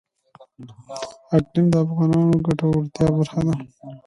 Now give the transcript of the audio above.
اقلیم د افغانانو د ګټورتیا برخه ده.